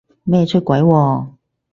咩出軌喎？